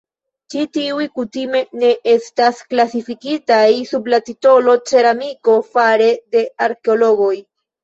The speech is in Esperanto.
Ĉi tiuj kutime ne estas klasifikitaj sub la titolo "ceramiko" fare de arkeologoj.